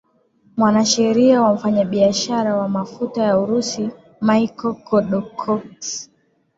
mwanasheria wa mfanya biashara wa mafuta wa urusi michael kodokoski